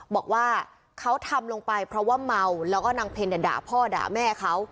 บอกว่าเขาทำลงไปเพราะว่าเมาแล้วก็นางเพลด่าพ่อด่าแม่เขา